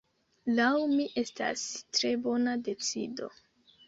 Laŭ mi estas tre bona decido.